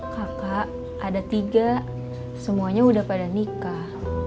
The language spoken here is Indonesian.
kakak ada tiga semuanya udah pada nikah